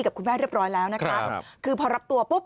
กับคุณแม่เรียบร้อยแล้วนะคะคือพอรับตัวปุ๊บ